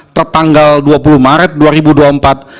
pertanggal dua puluh maret dua ribu dua puluh empat